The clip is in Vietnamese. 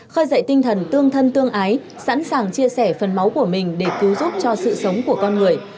khơi dậy tinh thần tương thân tương ái sẵn sàng chia sẻ phần máu của mình để cứu giúp cho sự sống của con người